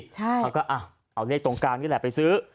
เขาก็เอาเลขตรงกลางนี่แหละไปซื้อ